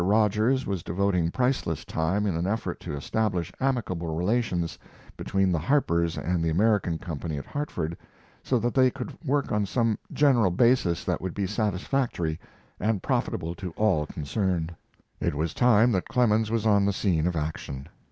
Rogers was devoting priceless time in an effort to establish amicable relations between the Harpers and the American Company at Hartford so that they could work on some general basis that would be satisfactory and profitable to all concerned. It was time that Clemens was on the scene of action.